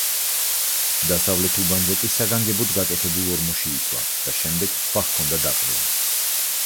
დასავლეთ უბანზე კი საგანგებოდ გაკეთებულ ორმოში იწვა და შემდეგ ქვა ჰქონდა დაყრილი.